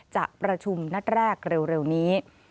จะประชุมนัดแรกเร็วนี้